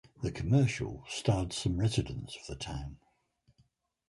The commercial starred some residents of the town.